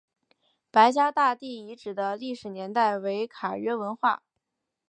白家大地遗址的历史年代为卡约文化。